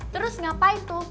terus ngapain tuh